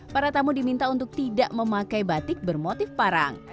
para tamu diminta untuk tidak memakai batik bermotif parang